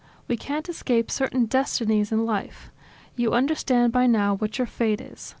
We can't escape certain destinies in life. You understand by now what your fate is.